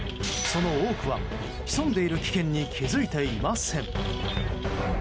その多くは、潜んでいる危険に気づいていません。